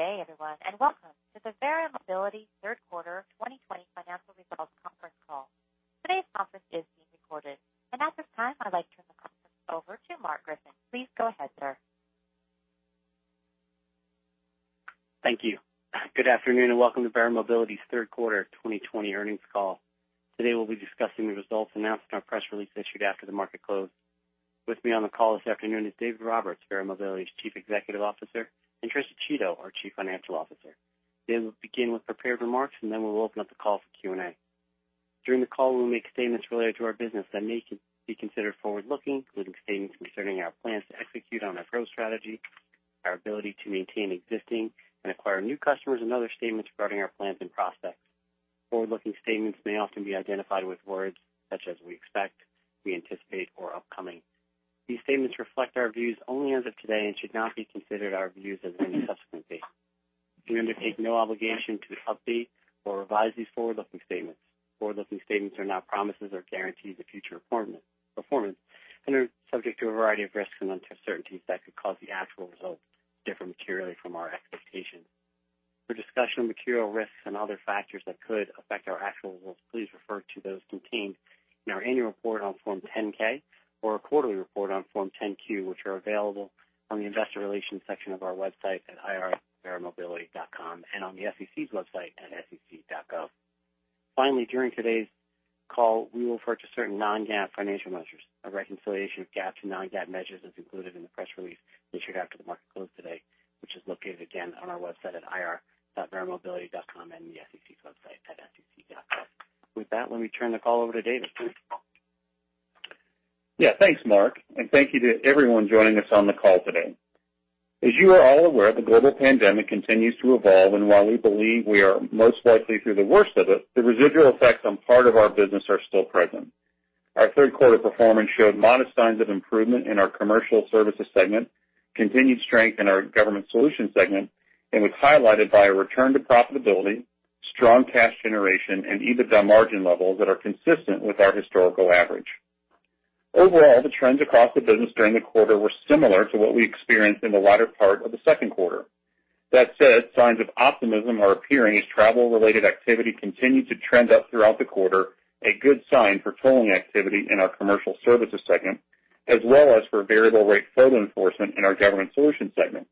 Good day everyone, welcome to the Verra Mobility third quarter 2020 financial results conference call. Today's conference is being recorded. At this time, I'd like to turn the conference over to Marc Griffin. Please go ahead, sir. Thank you. Good afternoon, and welcome to Verra Mobility's third quarter 2020 earnings call. Today, we'll be discussing the results announced in our press release issued after the market closed. With me on the call this afternoon is David Roberts, Verra Mobility's Chief Executive Officer, and Tricia Chiodo, our Chief Financial Officer. David will begin with prepared remarks. Then we'll open up the call for Q&A. During the call, we'll make statements related to our business that may be considered forward-looking, including statements concerning our plans to execute on our growth strategy, our ability to maintain existing and acquire new customers, and other statements regarding our plans and prospects. Forward-looking statements may often be identified with words such as "we expect," "we anticipate," or "upcoming." These statements reflect our views only as of today and should not be considered our views as of any subsequent date. We undertake no obligation to update or revise these forward-looking statements. Forward-looking statements are not promises or guarantees of future performance and are subject to a variety of risks and uncertainties that could cause the actual results to differ materially from our expectations. For a discussion of material risks and other factors that could affect our actual results, please refer to those contained in our annual report on Form 10-K or quarterly report on Form 10-Q, which are available on the investor relations section of our website at ir.verramobility.com and on the SEC's website at sec.gov. Finally, during today's call, we will refer to certain non-GAAP financial measures. A reconciliation of GAAP to non-GAAP measures is included in the press release issued after the market closed today, which is located again on our website at ir.verramobility.com and the SEC's website at sec.gov. With that, let me turn the call over to David, please. Yeah. Thanks, Marc. Thank you to everyone joining us on the call today. As you are all aware, the global pandemic continues to evolve, and while we believe we are most likely through the worst of it, the residual effects on part of our business are still present. Our third quarter performance showed modest signs of improvement in our Commercial Services segment, continued strength in our Government Solutions segment, and was highlighted by a return to profitability, strong cash generation, and EBITDA margin levels that are consistent with our historical average. Overall, the trends across the business during the quarter were similar to what we experienced in the latter part of the second quarter. That said, signs of optimism are appearing as travel-related activity continued to trend up throughout the quarter, a good sign for tolling activity in our Commercial Services segment, as well as for variable rate photo enforcement in our Government Solutions segment.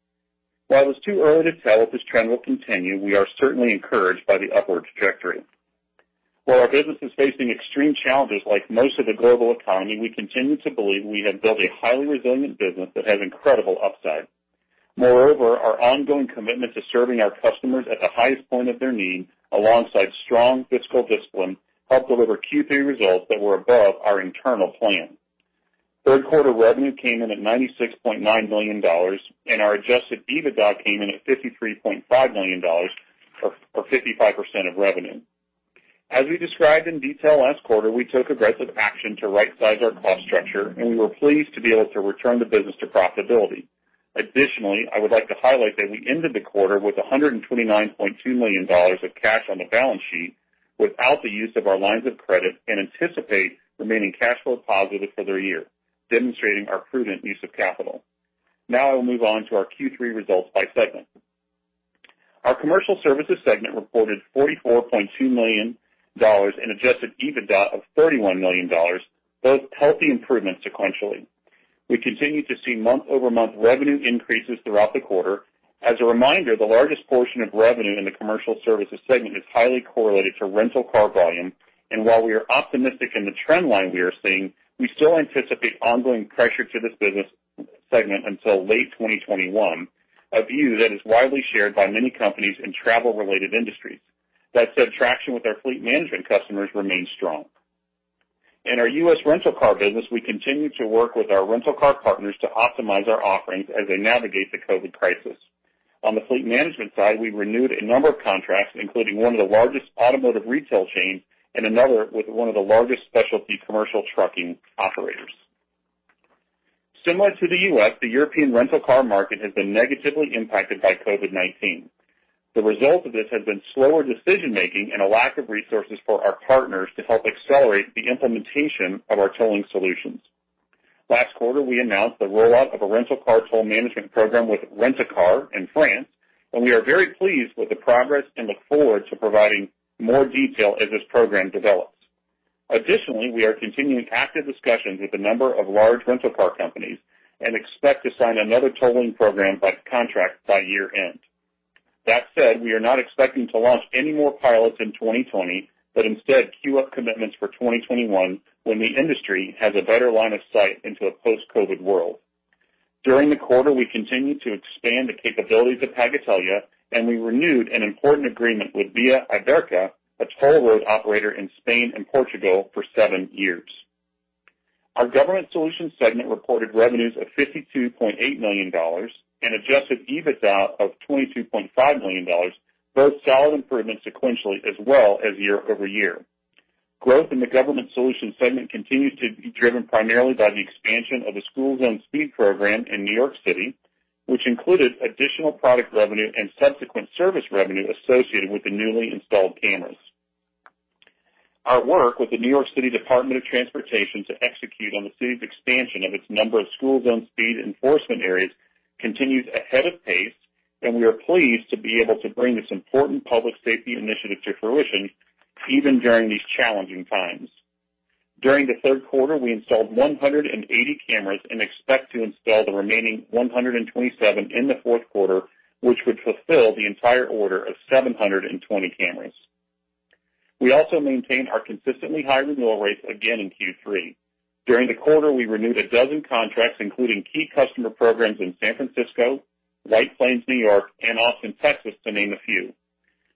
While it's too early to tell if this trend will continue, we are certainly encouraged by the upward trajectory. While our business is facing extreme challenges like most of the global economy, we continue to believe we have built a highly resilient business that has incredible upside. Moreover, our ongoing commitment to serving our customers at the highest point of their need, alongside strong fiscal discipline, helped deliver Q3 results that were above our internal plan. Third quarter revenue came in at $96.9 million, and our adjusted EBITDA came in at $53.5 million, or 55% of revenue. As we described in detail last quarter, we took aggressive action to right size our cost structure, and we were pleased to be able to return the business to profitability. Additionally, I would like to highlight that we ended the quarter with $129.2 million of cash on the balance sheet without the use of our lines of credit and anticipate remaining cash flow positive for the year, demonstrating our prudent use of capital. Now I will move on to our Q3 results by segment. Our Commercial Services segment reported $44.2 million and adjusted EBITDA of $31 million, both healthy improvements sequentially. We continued to see month-over-month revenue increases throughout the quarter. As a reminder, the largest portion of revenue in the Commercial Services segment is highly correlated to rental car volume, and while we are optimistic in the trend line we are seeing, we still anticipate ongoing pressure to this business segment until late 2021, a view that is widely shared by many companies in travel-related industries. That said, traction with our fleet management customers remains strong. In our U.S. rental car business, we continued to work with our rental car partners to optimize our offerings as they navigate the COVID-19 crisis. On the fleet management side, we renewed a number of contracts, including one of the largest automotive retail chains and another with one of the largest specialty commercial trucking operators. Similar to the U.S., the European rental car market has been negatively impacted by COVID-19. The result of this has been slower decision-making and a lack of resources for our partners to help accelerate the implementation of our tolling solutions. Last quarter, we announced the rollout of a rental car toll management program with Rent A Car in France. We are very pleased with the progress and look forward to providing more detail as this program develops. Additionally, we are continuing active discussions with a number of large rental car companies and expect to sign another tolling program contract by year-end. That said, we are not expecting to launch any more pilots in 2020, but instead queue up commitments for 2021 when the industry has a better line of sight into a post-COVID world. During the quarter, we continued to expand the capabilities of Pagatelia, and we renewed an important agreement with Via Iberica, a toll road operator in Spain and Portugal, for seven years. Our Government Solutions segment reported revenues of $52.8 million and adjusted EBITDA of $22.5 million, both solid improvements sequentially as well as year-over-year. Growth in the Government Solutions segment continues to be driven primarily by the expansion of the school zone speed program in New York City, which included additional product revenue and subsequent service revenue associated with the newly installed cameras. Our work with the New York City Department of Transportation to execute on the city's expansion of its number of School Zone Speed Enforcement areas continues ahead of pace, and we are pleased to be able to bring this important public safety initiative to fruition, even during these challenging times. During the third quarter, we installed 180 cameras and expect to install the remaining 127 in the fourth quarter, which would fulfill the entire order of 720 cameras. We also maintained our consistently high renewal rates again in Q3. During the quarter, we renewed a dozen contracts, including key customer programs in San Francisco, White Plains, New York, and Austin, Texas, to name a few.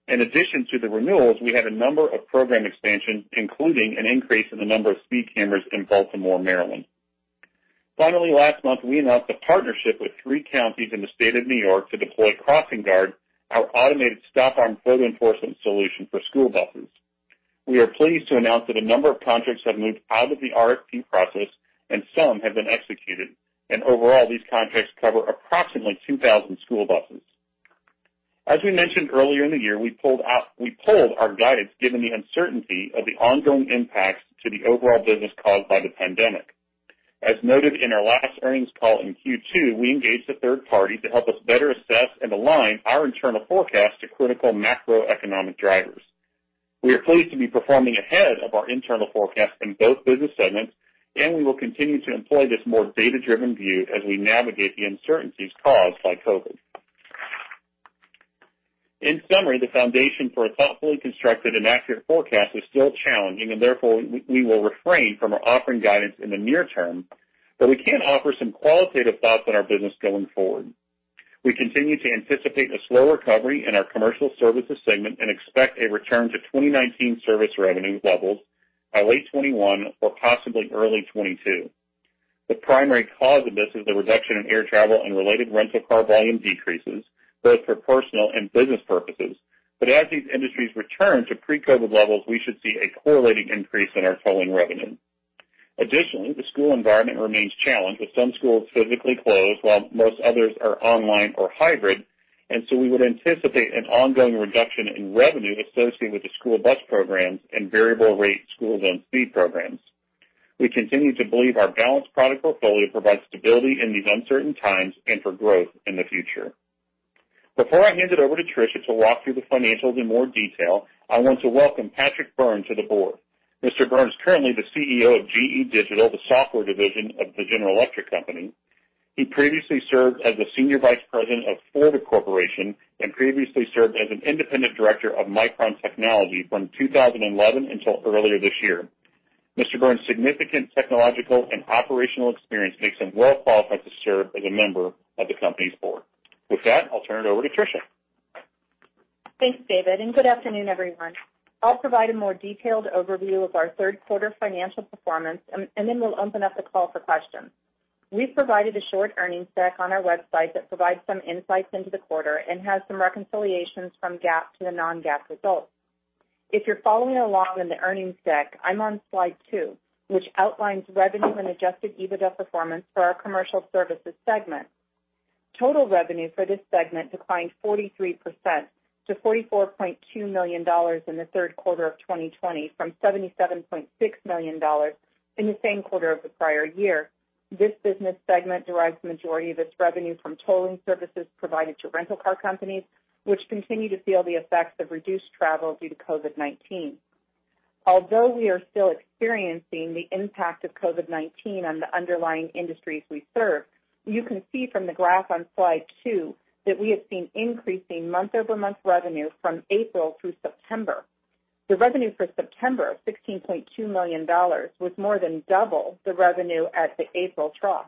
In addition to the renewals, we had a number of program expansions, including an increase in the number of speed cameras in Baltimore, Maryland. Finally, last month, we announced a partnership with three counties in the state of New York to deploy CrossingGuard, our automated stop-arm photo enforcement solution for school buses. We are pleased to announce that a number of contracts have moved out of the RFP process and some have been executed. Overall, these contracts cover approximately 2,000 school buses. As we mentioned earlier in the year, we pulled our guidance given the uncertainty of the ongoing impacts to the overall business caused by the pandemic. As noted in our last earnings call in Q2, we engaged a third party to help us better assess and align our internal forecast to critical macroeconomic drivers. We are pleased to be performing ahead of our internal forecast in both business segments, and we will continue to employ this more data-driven view as we navigate the uncertainties caused by COVID. In summary, the foundation for a thoughtfully constructed and accurate forecast is still challenging, and therefore we will refrain from offering guidance in the near term, but we can offer some qualitative thoughts on our business going forward. We continue to anticipate a slow recovery in our Commercial Services segment and expect a return to 2019 service revenue levels by late 2021 or possibly early 2022. The primary cause of this is the reduction in air travel and related rental car volume decreases, both for personal and business purposes. As these industries return to pre-COVID levels, we should see a correlating increase in our tolling revenue. Additionally, the school environment remains challenged, with some schools physically closed while most others are online or hybrid, and so we would anticipate an ongoing reduction in revenue associated with the school bus programs and variable rate school zone speed programs. We continue to believe our balanced product portfolio provides stability in these uncertain times and for growth in the future. Before I hand it over to Tricia to walk through the financials in more detail, I want to welcome Patrick Byrne to the board. Mr. Byrne is currently the CEO of GE Digital, the software division of the General Electric Company. He previously served as the Senior Vice President of Fortive Corporation and previously served as an independent director of Micron Technology from 2011 until earlier this year. Mr. Byrne's significant technological and operational experience makes him well qualified to serve as a member of the company's board. With that, I'll turn it over to Tricia. Thanks, David. Good afternoon, everyone. I'll provide a more detailed overview of our third quarter financial performance, and then we'll open up the call for questions. We've provided a short earnings deck on our website that provides some insights into the quarter and has some reconciliations from GAAP to the non-GAAP results. If you're following along in the earnings deck, I'm on slide two, which outlines revenue and adjusted EBITDA performance for our Commercial Services segment. Total revenue for this segment declined 43% to $44.2 million in the third quarter of 2020 from $77.6 million in the same quarter of the prior year. This business segment derives the majority of its revenue from tolling services provided to rental car companies, which continue to feel the effects of reduced travel due to COVID-19. Although we are still experiencing the impact of COVID-19 on the underlying industries we serve, you can see from the graph on slide two that we have seen increasing month-over-month revenue from April through September. The revenue for September, $16.2 million, was more than double the revenue at the April trough.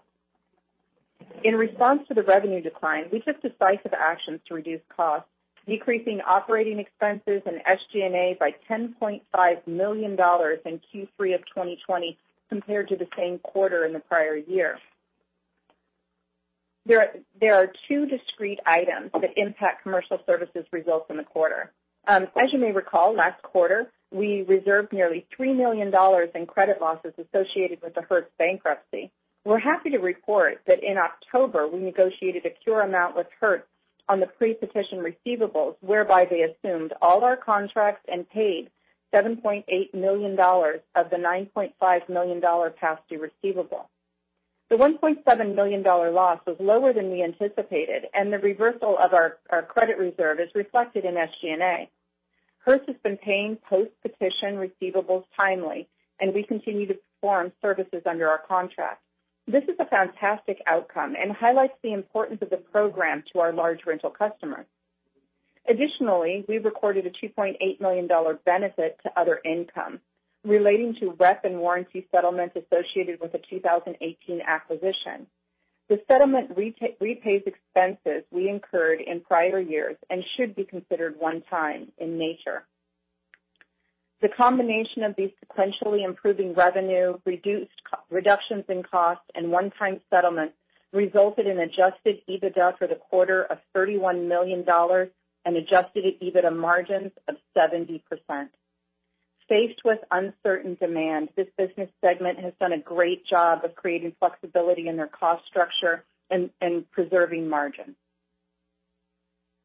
In response to the revenue decline, we took decisive actions to reduce costs, decreasing operating expenses and SG&A by $10.5 million in Q3 of 2020 compared to the same quarter in the prior year. There are two discrete items that impact Commercial Services results in the quarter. As you may recall, last quarter, we reserved nearly $3 million in credit losses associated with the Hertz bankruptcy. We're happy to report that in October, we negotiated a cure amount with Hertz on the pre-petition receivables, whereby they assumed all our contracts and paid $7.8 million of the $9.5 million past due receivable. The $1.7 million loss was lower than we anticipated, and the reversal of our credit reserve is reflected in SG&A. Hertz has been paying post-petition receivables timely, and we continue to perform services under our contract. This is a fantastic outcome and highlights the importance of the program to our large rental customers. Additionally, we recorded a $2.8 million benefit to other income relating to rep and warranty settlements associated with the 2018 acquisition. The settlement repays expenses we incurred in prior years and should be considered one-time in nature. The combination of these sequentially improving revenue, reductions in cost, and one-time settlement resulted in adjusted EBITDA for the quarter of $31 million and adjusted EBITDA margins of 70%. Faced with uncertain demand, this business segment has done a great job of creating flexibility in their cost structure and preserving margin.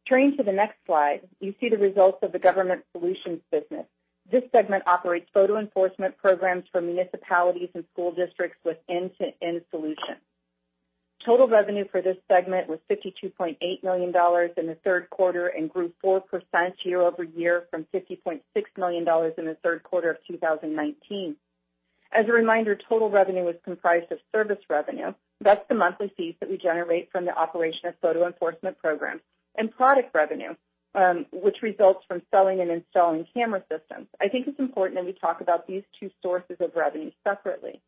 Turning to the next slide, you see the results of the Government Solutions business. This segment operates photo enforcement programs for municipalities and school districts with end-to-end solutions. Total revenue for this segment was $52.8 million in the third quarter and grew 4% year-over-year from $50.6 million in the third quarter of 2019. As a reminder, total revenue is comprised of service revenue. That's the monthly fees that we generate from the operation of photo enforcement programs, and product revenue, which results from selling and installing camera systems. I think it's important that we talk about these two sources of revenue separately.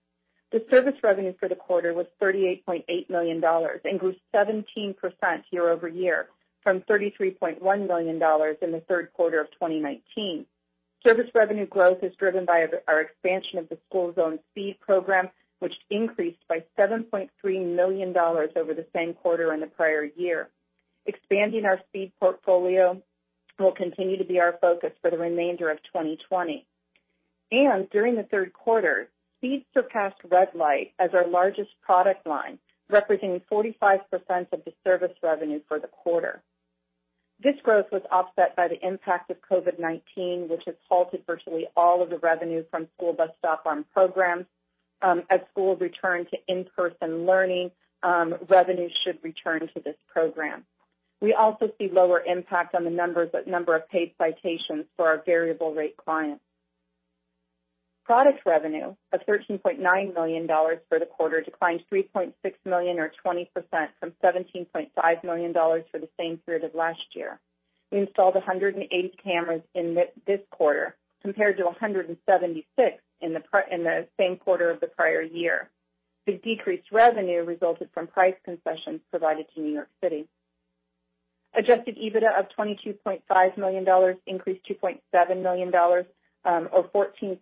The service revenue for the quarter was $38.8 million and grew 17% year-over-year from $33.1 million in the third quarter of 2019. Service revenue growth is driven by our expansion of the School Zone Speed program, which increased by $7.3 million over the same quarter in the prior year. Expanding our speed portfolio will continue to be our focus for the remainder of 2020. During the third quarter, speed surpassed red light as our largest product line, representing 45% of the service revenue for the quarter. This growth was offset by the impact of COVID-19, which has halted virtually all of the revenue from school bus stop arm programs. As schools return to in-person learning, revenue should return to this program. We also see lower impact on the number of paid citations for our variable rate clients. Product revenue of $13.9 million for the quarter declined $3.6 million, or 20%, from $17.5 million for the same period of last year. We installed 108 cameras in this quarter, compared to 176 in the same quarter of the prior year. The decreased revenue resulted from price concessions provided to New York City. Adjusted EBITDA of $22.5 million increased by $2.7 million, or 14%,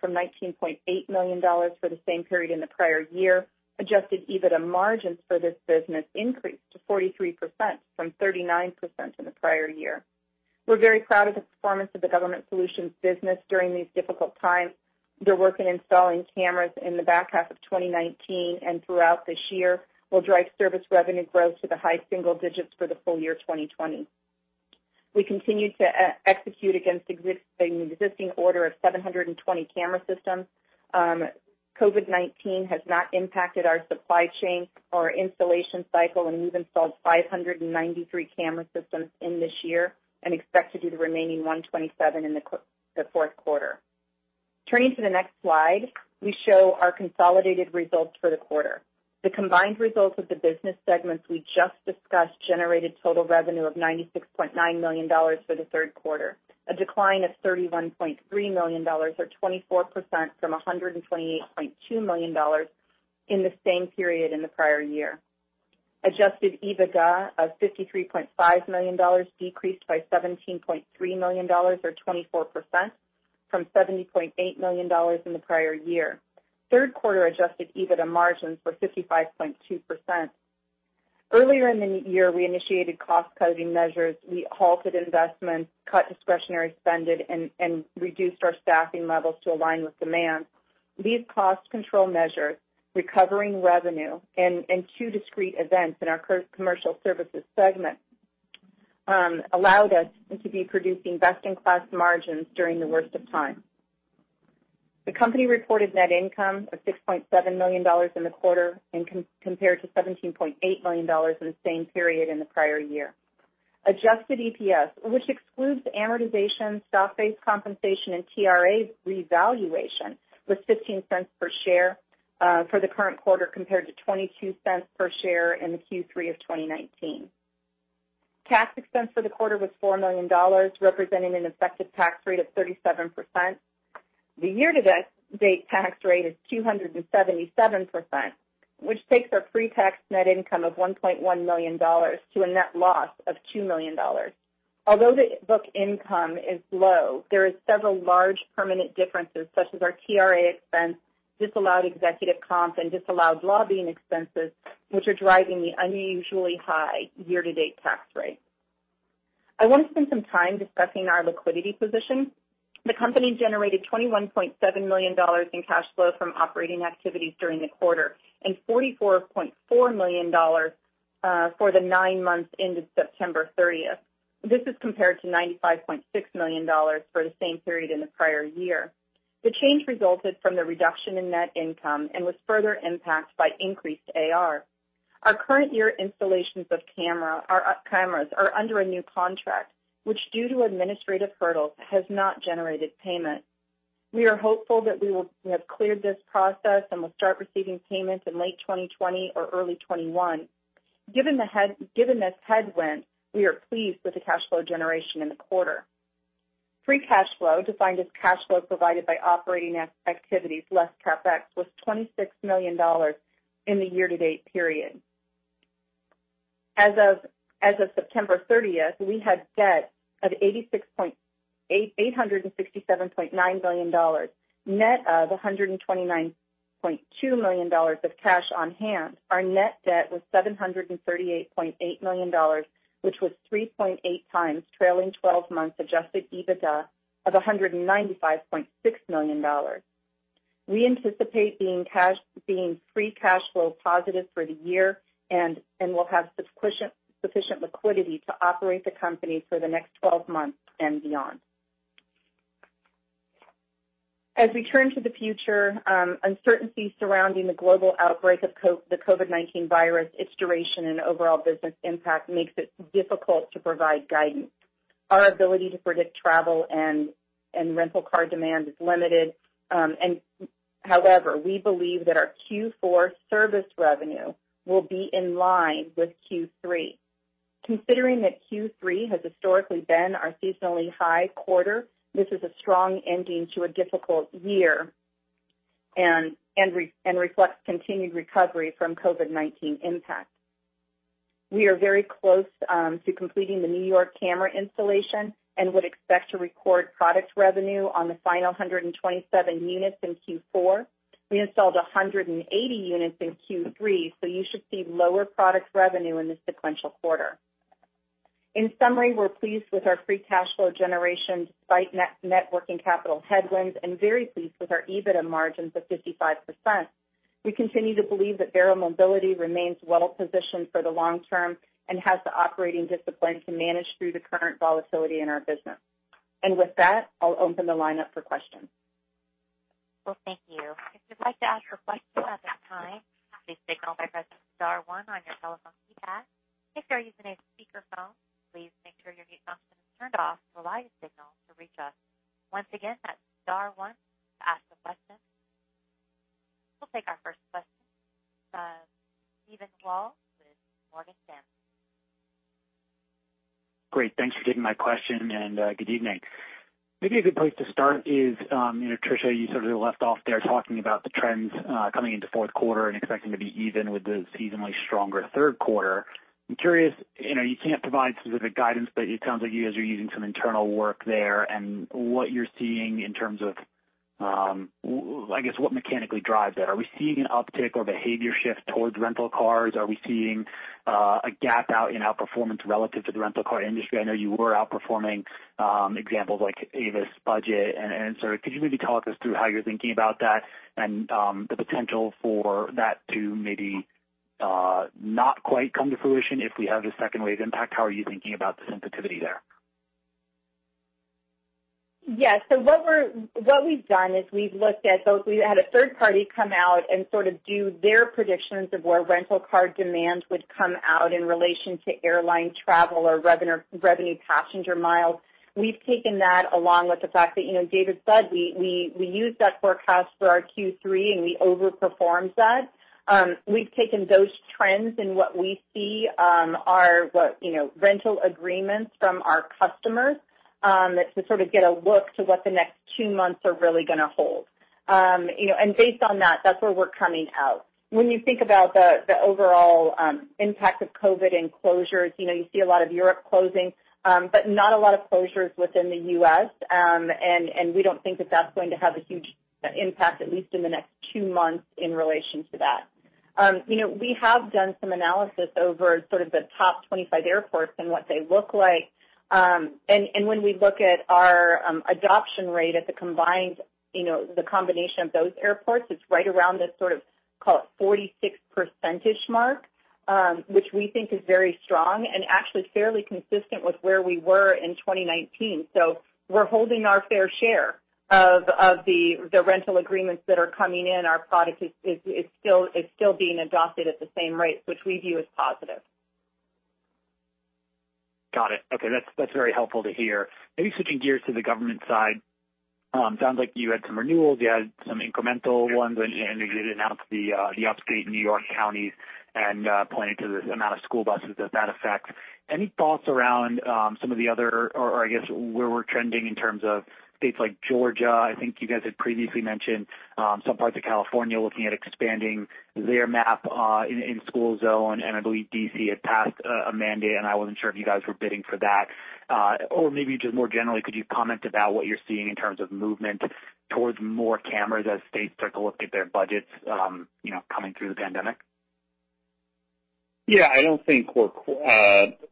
from $19.8 million for the same period in the prior year. Adjusted EBITDA margins for this business increased to 43% from 39% in the prior year. We're very proud of the performance of the Government Solutions business during these difficult times. Their work in installing cameras in the back half of 2019 and throughout this year will drive service revenue growth to the high single digits for the full year 2020. We continue to execute against the existing order of 720 camera systems. COVID-19 has not impacted our supply chain or installation cycle, and we've installed 593 camera systems in this year and expect to do the remaining 127 in the fourth quarter. Turning to the next slide, we show our consolidated results for the quarter. The combined results of the business segments we just discussed generated total revenue of $96.9 million for the third quarter, a decline of $31.3 million, or 24%, from $128.2 million in the same period in the prior year. Adjusted EBITDA of $53.5 million decreased by $17.3 million or 24%, from $70.8 million in the prior year. Third quarter Adjusted EBITDA margins were 55.2%. Earlier in the year, we initiated cost-cutting measures. We halted investments, cut discretionary spending, and reduced our staffing levels to align with demand. These cost control measures, recovering revenue, and two discrete events in our Commercial Services segment allowed us to be producing best-in-class margins during the worst of times. The company reported net income of $6.7 million in the quarter and compared to $17.8 million in the same period in the prior year. Adjusted EPS, which excludes amortization, stock-based compensation, and TRA revaluation, was $0.15 per share for the current quarter compared to $0.22 per share in the Q3 of 2019. Tax expense for the quarter was $4 million, representing an effective tax rate of 37%. The year-to-date tax rate is 277%, which takes our pre-tax net income of $1.1 million to a net loss of $2 million. Although the book income is low, there are several large permanent differences, such as our TRA expense, disallowed executive comp, and disallowed lobbying expenses, which are driving the unusually high year-to-date tax rate. I want to spend some time discussing our liquidity position. The company generated $21.7 million in cash flow from operating activities during the quarter and $44.4 million for the nine months ended September 30th. This is compared to $95.6 million for the same period in the prior year. The change resulted from the reduction in net income and was further impacted by increased AR. Our current year installations of cameras are under a new contract, which due to administrative hurdles, has not generated payment. We are hopeful that we have cleared this process and will start receiving payments in late 2020 or early 2021. Given this headwind, we are pleased with the cash flow generation in the quarter. Free cash flow, defined as cash flow provided by operating activities less CapEx, was $26 million in the year-to-date period. As of September 30th, we had debt of $867.9 million, net of $129.2 million of cash on hand. Our net debt was $738.8 million, which was 3.8x trailing 12 months adjusted EBITDA of $195.6 million. We anticipate being free cash flow positive for the year, and will have sufficient liquidity to operate the company for the next 12 months and beyond. As we turn to the future, uncertainty surrounding the global outbreak of the COVID-19 virus, its duration, and overall business impact makes it difficult to provide guidance. Our ability to predict travel and rental car demand is limited. However, we believe that our Q4 service revenue will be in line with Q3. Considering that Q3 has historically been our seasonally high quarter, this is a strong ending to a difficult year and reflects continued recovery from COVID-19 impact. We are very close to completing the New York camera installation and would expect to record product revenue on the final 127 units in Q4. We installed 180 units in Q3, so you should see lower product revenue in this sequential quarter. In summary, we're pleased with our free cash flow generation despite net working capital headwinds and very pleased with our EBITDA margins of 55%. We continue to believe that Verra Mobility remains well positioned for the long term and has the operating discipline to manage through the current volatility in our business. With that, I'll open the line up for questions. Thank you. If you'd like to ask a question at this time, please signal by pressing star one on your telephone keypad. If you are using a speakerphone, please make sure your mute button is turned off to provide a signal to reach us. Once again, that's star one to ask a question. We'll take our first question. Steven Wald with Morgan Stanley. Great, thanks for taking my question. Good evening. Maybe a good place to start is, Tricia, you sort of left off there talking about the trends coming into fourth quarter and expecting to be even with the seasonally stronger third quarter. I'm curious, you can't provide specific guidance, but it sounds like you guys are using some internal work there and what you're seeing in terms of, I guess, what mechanically drives that. Are we seeing an uptick or behavior shift towards rental cars? Are we seeing a gap out in outperformance relative to the rental car industry? I know you were outperforming examples like Avis, Budget. Could you maybe talk us through how you're thinking about that and the potential for that to maybe not quite come to fruition if we have a second wave impact? How are you thinking about the sensitivity there? Yeah. What we've done is we've looked at both. We had a third party come out and sort of do their predictions of where rental car demand would come out in relation to airline travel or revenue passenger miles. We've taken that, along with the fact that David said, we used that forecast for our Q3, and we overperformed that. We've taken those trends in what we see are what rental agreements from our customers to sort of get a look to what the next two months are really going to hold. Based on that's where we're coming out. When you think about the overall impact of COVID and closures, you see a lot of Europe closing, but not a lot of closures within the U.S. We don't think that that's going to have a huge impact, at least in the next two months in relation to that. We have done some analysis over sort of the top 25 airports and what they look like. When we look at our adoption rate at the combination of those airports, it's right around this sort of, call it 46% mark, which we think is very strong and actually fairly consistent with where we were in 2019. We're holding our fair share of the rental agreements that are coming in. Our product is still being adopted at the same rates, which we view as positive. Got it. Okay. That's very helpful to hear. Maybe switching gears to the government side. Sounds like you had some renewals, you had some incremental ones, and you announced the upstate New York counties and pointing to the amount of school buses that that affects. Any thoughts around some of the other, or I guess, where we're trending in terms of states like Georgia? I think you guys had previously mentioned some parts of California looking at expanding their map in school zone, and I believe D.C. had passed a mandate, and I wasn't sure if you guys were bidding for that. Maybe just more generally, could you comment about what you're seeing in terms of movement towards more cameras as states start to look at their budgets coming through the pandemic? Yeah.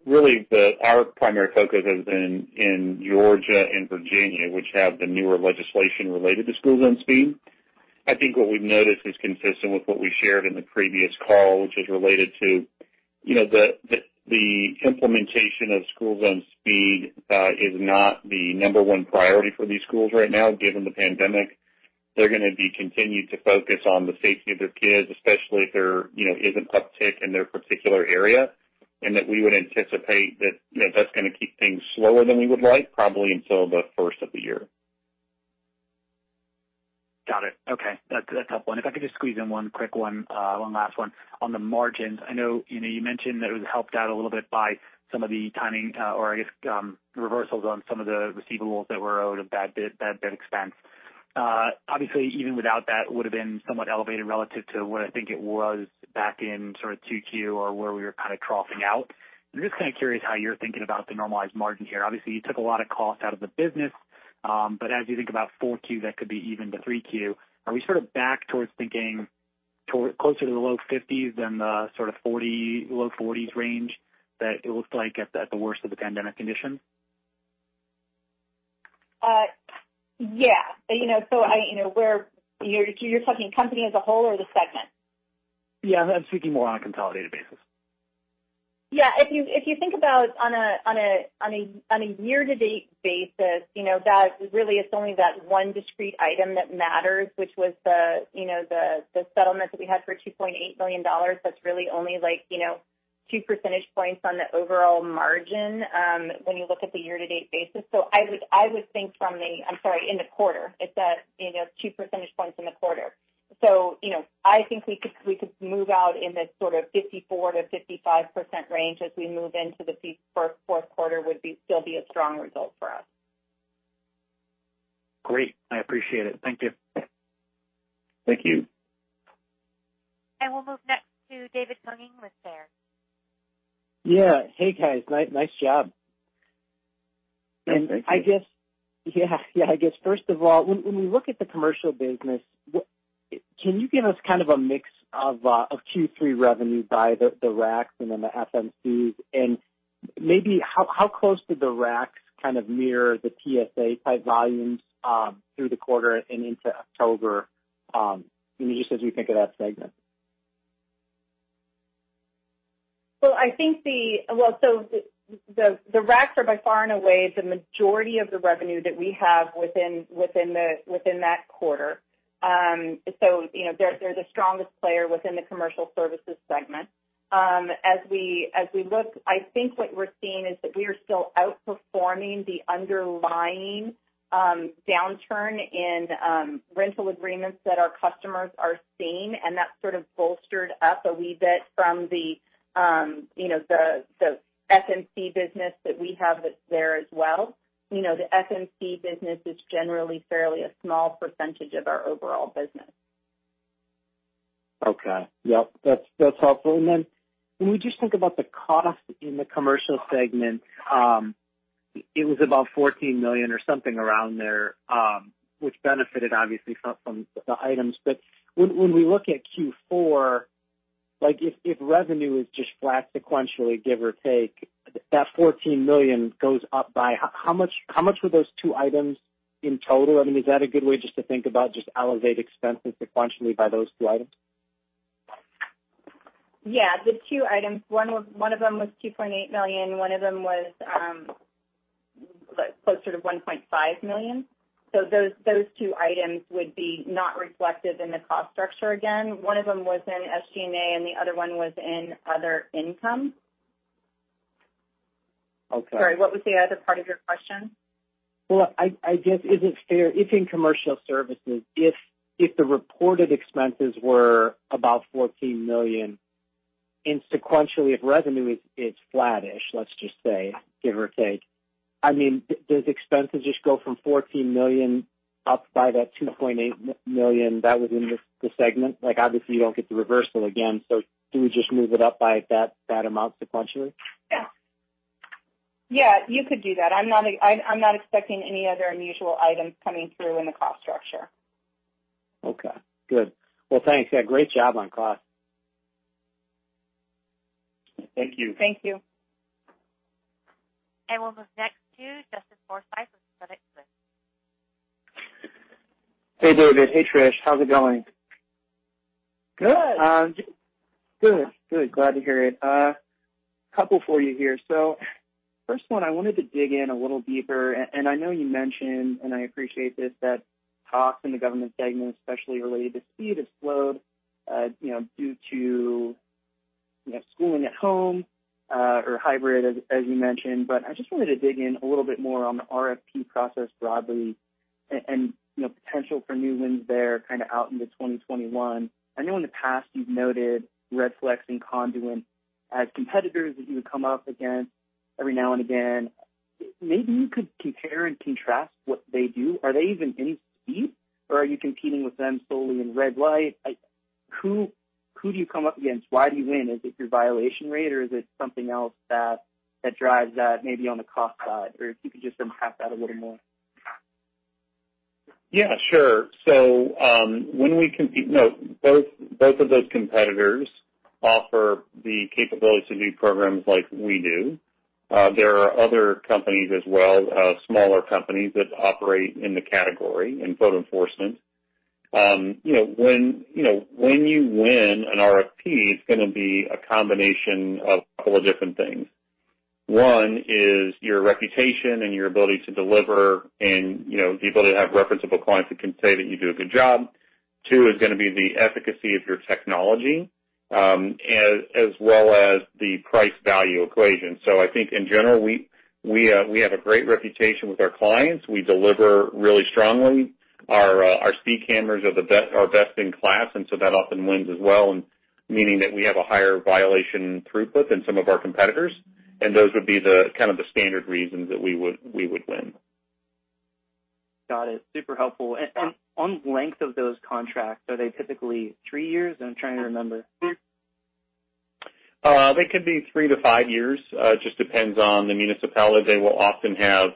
Really, our primary focus has been in Georgia and Virginia, which have the newer legislation related to School Zone Speed. I think what we've noticed is consistent with what we shared in the previous call, which is related to the implementation of School Zone Speed is not the number one priority for these schools right now, given the pandemic. They're going to be continued to focus on the safety of their kids, especially if there is an uptick in their particular area. That we would anticipate that that's going to keep things slower than we would like probably until the first of the year. Got it. Okay. That's helpful. If I could just squeeze in one quick one last one. On the margins, I know you mentioned that it was helped out a little bit by some of the timing or I guess, reversals on some of the receivables that were out of that expense. Obviously, even without that, it would have been somewhat elevated relative to what I think it was back in sort of 2Q or where we were kind of troughing out. I'm just kind of curious how you're thinking about the normalized margin here. Obviously, you took a lot of cost out of the business. As you think about 4Q, that could be even the 3Q. Are we sort of back towards thinking closer to the low 50s than the sort of low 40s range that it looked like at the worst of the pandemic conditions? Yeah. You're talking company as a whole or the segment? Yeah, I'm speaking more on a consolidated basis. Yeah. If you think about on a year-to-date basis, really it's only that one discrete item that matters, which was the settlement that we had for $2.8 million. That's really only two percentage points on the overall margin, when you look at the year-to-date basis. I'm sorry, in the quarter. It's at two percentage points in the quarter. I think we could move out in this sort of 54%-55% range as we move into the fourth quarter would still be a strong result for us. Great. I appreciate it. Thank you. Thank you. We'll move next to David Koning with Baird. Yeah. Hey, guys. Nice job. Thank you. Yeah. I guess first of all, when we look at the Commercial business, can you give us kind of a mix of Q3 revenue by the RACs and then the FMCs? Maybe how close did the RACs kind of mirror the TSA type volumes through the quarter and into October? Just as we think of that segment. The RACs are by far and away the majority of the revenue that we have within that quarter. They're the strongest player within the Commercial Services segment. As we look, I think what we're seeing is that we are still outperforming the underlying downturn in rental agreements that our customers are seeing, and that sort of bolstered up a wee bit from the FMC business that we have that's there as well. The FMC business is generally fairly a small percentage of our overall business. Okay. Yep. That's helpful. When we just think about the cost in the commercial segment, it was about $14 million or something around there, which benefited obviously from the items. When we look at Q4, if revenue is just flat sequentially, give or take, that $14 million goes up by how much were those two items in total? I mean, is that a good way just to think about just elevate expenses sequentially by those two items? Yeah. The two items, one of them was $2.8 million. One of them was closer to $1.5 million. Those two items would be not reflected in the cost structure again. One of them was in SG&A, and the other one was in other income. Okay. Sorry, what was the other part of your question? Well, I guess is it fair if in Commercial Services, if the reported expenses were about $14 million, and sequentially if revenue is flattish, let's just say, give or take, I mean, does expenses just go from $14 million up by that $2.8 million that was in the segment? Obviously you don't get the reversal again, do we just move it up by that amount sequentially? Yeah. You could do that. I'm not expecting any other unusual items coming through in the cost structure. Okay, good. Well, thanks. Yeah, great job on cost. Thank you. Thank you. We'll move next to Justin Forsythe with Credit Suisse. Hey, David. Hey, Trish. How's it going? Good. Good. Glad to hear it. Couple for you here. First one, I wanted to dig in a little deeper, and I know you mentioned, and I appreciate this, that talks in the Government Solutions segment, especially related to speed, have slowed due to schooling at home or hybrid, as you mentioned. I just wanted to dig in a little bit more on the RFP process broadly and potential for new wins there out into 2021. I know in the past you've noted Redflex and Conduent as competitors that you would come up against every now and again. Maybe you could compare and contrast what they do. Are they even in speed, or are you competing with them solely in red light? Who do you come up against? Why do you win? Is it your violation rate, or is it something else that drives that maybe on the cost side? If you could just unpack that a little more. Yeah, sure. Both of those competitors offer the capability to do programs like we do. There are other companies as well, smaller companies that operate in the category in photo enforcement. When you win an RFP, it's going to be a combination of a couple of different things. One is your reputation and your ability to deliver and the ability to have referenceable clients that can say that you do a good job. Two is going to be the efficacy of your technology, as well as the price-value equation. I think in general, we have a great reputation with our clients. We deliver really strongly. Our speed cameras are best in class, and so that often wins as well, and meaning that we have a higher violation throughput than some of our competitors, and those would be the kind of the standard reasons that we would win. Got it. Super helpful. On length of those contracts, are they typically three years? I'm trying to remember. They could be three to five years. Just depends on the municipality. They will often have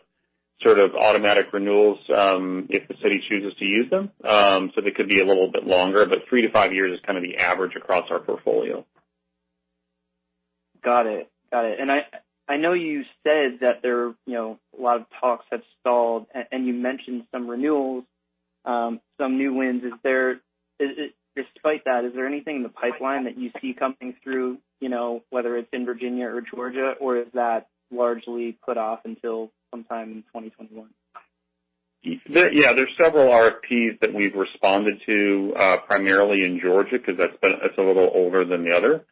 sort of automatic renewals, if the city chooses to use them. They could be a little bit longer, but three to five years is kind of the average across our portfolio. Got it. I know you said that a lot of talks have stalled, and you mentioned some renewals, some new wins. Despite that, is there anything in the pipeline that you see coming through, whether it's in Virginia or Georgia, or is that largely put off until sometime in 2021? Yeah, there's several RFPs that we've responded to, primarily in Georgia, because that's a little older than the other.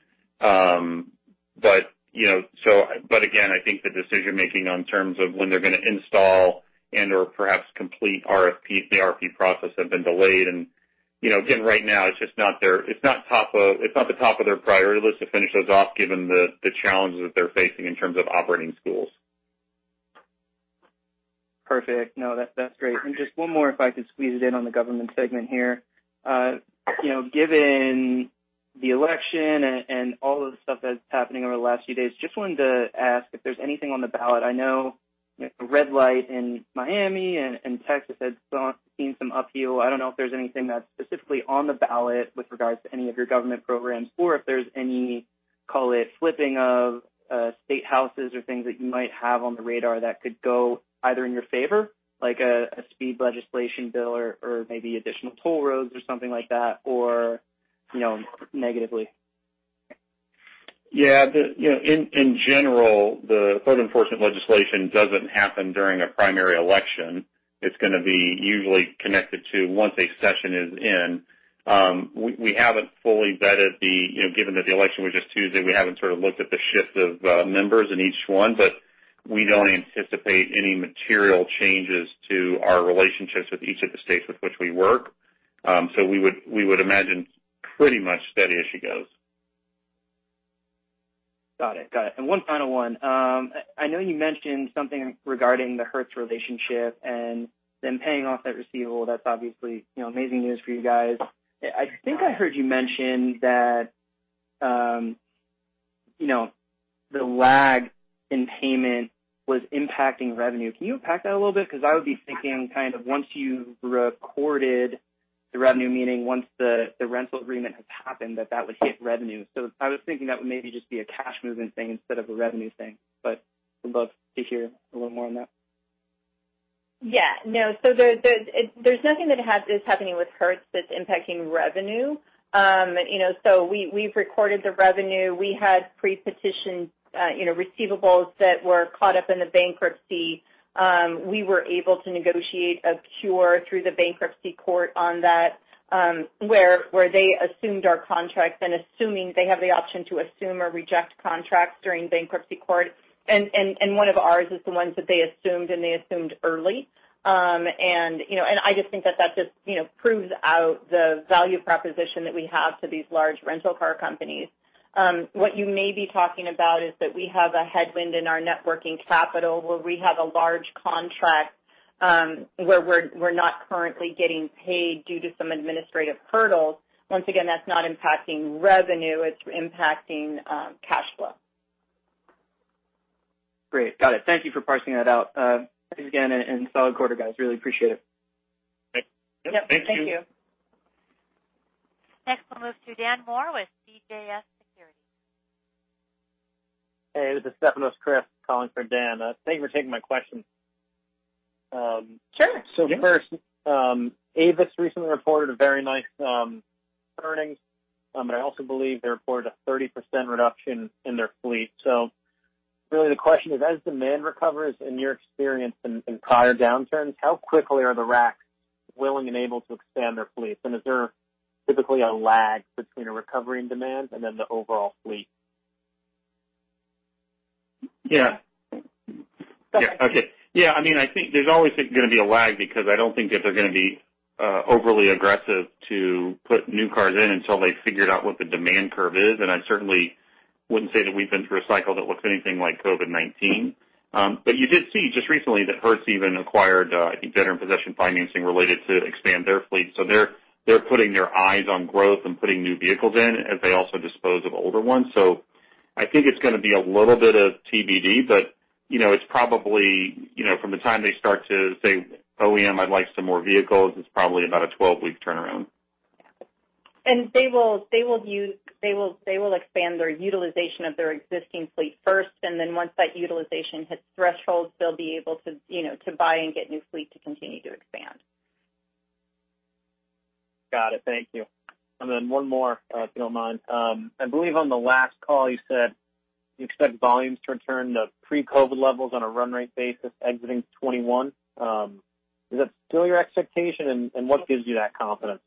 Again, I think the decision-making on terms of when they're going to install and/or perhaps complete RFP, the RFP process have been delayed, and again, right now it's not the top of their priority list to finish those off given the challenges that they're facing in terms of operating schools. Perfect. No, that's great. Just one more, if I could squeeze it in on the government segment here. Given the election and all of the stuff that's happening over the last few days, just wanted to ask if there's anything on the ballot. I know Red Light in Miami and Texas had seen some upheaval. I don't know if there's anything that's specifically on the ballot with regards to any of your government programs or if there's any, call it flipping of state houses or things that you might have on the radar that could go either in your favor, like a speed legislation bill or maybe additional toll roads or something like that, or negatively? Yeah. In general, the code enforcement legislation doesn't happen during a primary election. It's going to be usually connected to once a session is in. We haven't fully vetted given that the election was just Tuesday, we haven't looked at the shift of members in each one, but we don't anticipate any material changes to our relationships with each of the states with which we work. We would imagine pretty much steady as she goes. Got it. One final one. I know you mentioned something regarding the Hertz relationship and them paying off that receivable. That's obviously amazing news for you guys. I think I heard you mention that the lag in payment was impacting revenue. Can you unpack that a little bit? I would be thinking kind of once you've recorded the revenue, meaning once the rental agreement has happened, that would hit revenue. I was thinking that would maybe just be a cash movement thing instead of a revenue thing, but would love to hear a little more on that. There's nothing that is happening with Hertz that's impacting revenue. We've recorded the revenue. We had pre-petitioned receivables that were caught up in the bankruptcy. We were able to negotiate a cure through the bankruptcy court on that where they assumed our contracts and assuming they have the option to assume or reject contracts during bankruptcy court. One of ours is the ones that they assumed, and they assumed early. I just think that just proves out the value proposition that we have to these large rental car companies. What you may be talking about is that we have a headwind in our networking capital where we're not currently getting paid due to some administrative hurdles. Once again, that's not impacting revenue, it's impacting cash flow. Great. Got it. Thank you for parsing that out. Thanks again and solid quarter, guys. Really appreciate it. Great. Thank you. Yep. Thank you. Next, we'll move to Dan Moore with CJS Securities. Hey, this is Stefanos Crist calling for Dan. Thanks for taking my question. Sure. First, Avis recently reported a very nice earnings, but I also believe they reported a 30% reduction in their fleet. Really the question is, as demand recovers, in your experience in prior downturns, how quickly are the RACs willing and able to expand their fleets? Is there typically a lag between a recovery and demand and then the overall fleet? Yeah. Okay. I think there's always going to be a lag because I don't think that they're going to be overly aggressive to put new cars in until they've figured out what the demand curve is. I certainly wouldn't say that we've been through a cycle that looks anything like COVID-19. You did see just recently that Hertz even acquired, I think, debtor-in-possession financing related to expand their fleet. They're putting their eyes on growth and putting new vehicles in as they also dispose of older ones. I think it's going to be a little bit of TBD, but it's probably from the time they start to say, "OEM, I'd like some more vehicles," it's probably about a 12-week turnaround. They will expand their utilization of their existing fleet first, and then once that utilization hits thresholds, they'll be able to buy and get new fleet to continue to expand. Got it. Thank you. One more, if you don't mind. I believe on the last call, you said you expect volumes to return to pre-COVID levels on a run-rate basis exiting 2021. Is that still your expectation, and what gives you that confidence?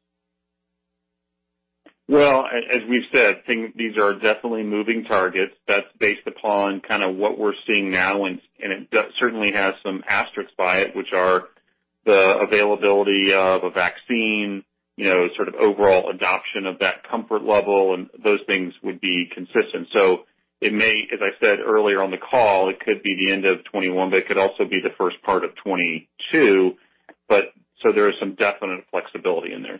Well, as we've said, these are definitely moving targets. That's based upon kind of what we're seeing now, and it certainly has some asterisks by it, which are the availability of a vaccine, sort of overall adoption of that comfort level, and those things would be consistent. It may, as I said earlier on the call, it could be the end of 2021, but it could also be the first part of 2022. There is some definite flexibility in there.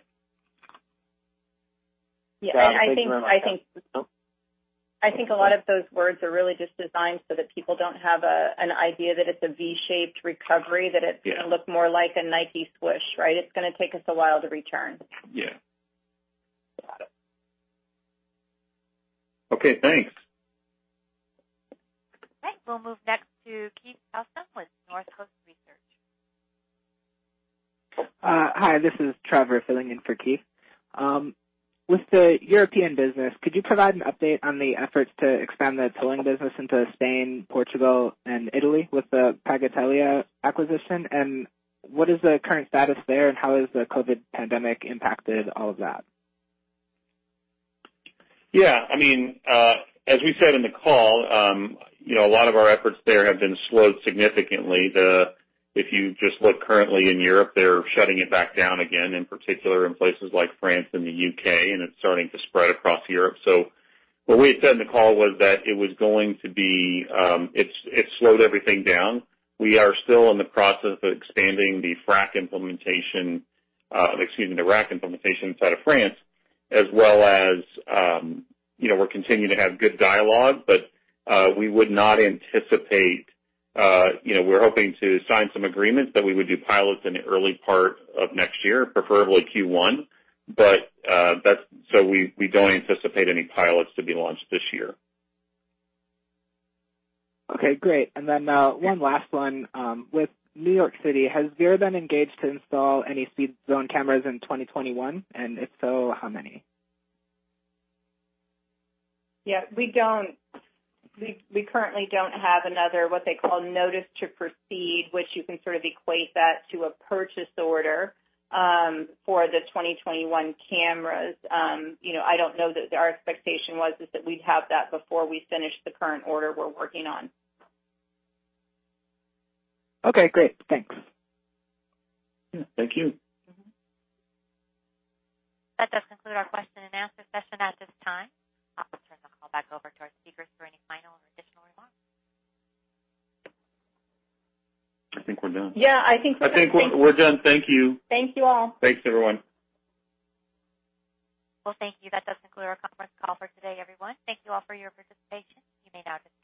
Got it. Thank you very much. Yeah, I think a lot of those words are really just designed so that people don't have an idea that it's a V-shaped recovery, that it's going to look more like a Nike swoosh, right? It's going to take us a while to return. Yeah. Okay, thanks. Okay. We'll move next to Keith Housum with Northcoast Research. Hi, this is Trevor filling in for Keith. With the European business, could you provide an update on the efforts to expand the tolling business into Spain, Portugal, and Italy with the Pagatelia acquisition, and what is the current status there, and how has the COVID-19 pandemic impacted all of that? Yeah. As we said in the call, a lot of our efforts there have been slowed significantly. If you just look currently in Europe, they're shutting it back down again, in particular in places like France and the U.K. It's starting to spread across Europe. What we had said in the call was that it slowed everything down. We are still in the process of expanding the RAC implementation inside of France as well as we're continuing to have good dialogue. We're hoping to sign some agreements that we would do pilots in the early part of next year, preferably Q1. We don't anticipate any pilots to be launched this year. Okay, great. One last one. With New York City, has Verra been engaged to install any speed zone cameras in 2021, and if so, how many? Yeah. We currently don't have another, what they call notice to proceed, which you can sort of equate that to a purchase order for the 2021 cameras. I don't know that our expectation was is that we'd have that before we finish the current order we're working on. Okay, great. Thanks. Yeah. Thank you. That does conclude our question and answer session at this time. I'll turn the call back over to our speakers for any final or additional remarks. I think we're done. Yeah, I think we're done. Thank you. I think we're done. Thank you. Thank you all. Thanks, everyone. Well, thank you. That does conclude our conference call for today, everyone. Thank you all for your participation. You may now disconnect.